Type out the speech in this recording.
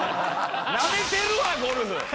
ナメてるわゴルフ。